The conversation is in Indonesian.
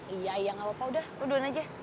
iya iya gak apa apa udah lo duluan aja